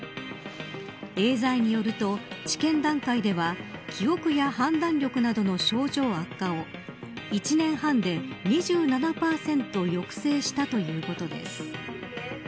エーザイによると治験段階では記憶や判断力などの症状悪化を１年半で２７％抑制したということです。